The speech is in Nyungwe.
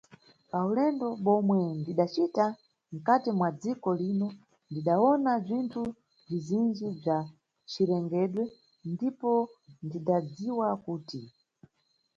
Pa ulendo bomwe ndidacita mkhati mwa dziko lino ndidawona bzinthu bzizinji bza cirengedwe ndipo ndidadziwa kuti.